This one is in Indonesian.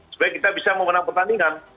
supaya kita bisa memenang pertandingan